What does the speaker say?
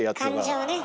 感情ね。